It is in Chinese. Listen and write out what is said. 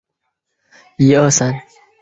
我这辈子就爱过这一个人。